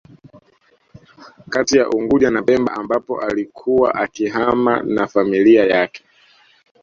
Kati ya unguja na pemba ambapo alikuwa akihama na familia yake